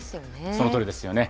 そのとおりですよね。